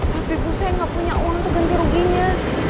tapi bu saya gak punya uang untuk ganti ruginya